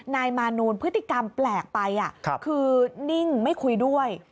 นายมานูลพฤติกรรมแปลกไปคือนิ่งไม่คุยด้วย